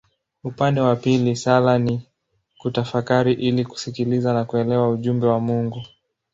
Upande wa pili sala ni kutafakari ili kusikiliza na kuelewa ujumbe wa Mungu.